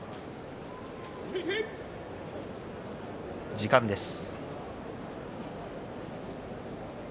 時間です。